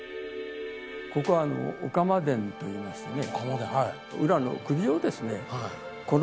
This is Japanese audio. ここは御竈殿といいましてね。